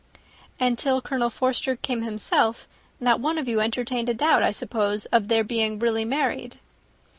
"And till Colonel Forster came himself, not one of you entertained a doubt, I suppose, of their being really married?"